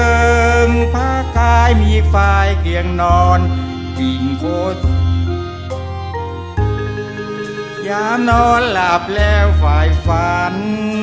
เผิงพระคายมีฝ่ายเกลียงนอนกิ่งโคตรย้ามนอนหลับแล้วฝ่ายฝัน